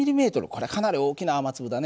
これかなり大きな雨粒だね。